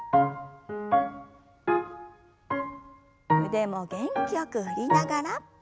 腕も元気よく振りながら。